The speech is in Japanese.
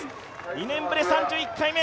２年ぶり３１回目。